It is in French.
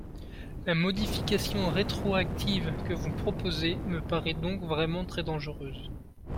La modification rétroactive que vous proposez me paraît donc vraiment très dangereuse.